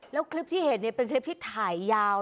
แล้วคลิปที่เห็นเป็นคลิปที่ถ่ายยาว